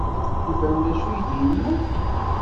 Yefhem d acu i d-yenna?